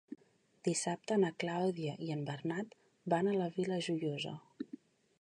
Dissabte na Clàudia i en Bernat van a la Vila Joiosa.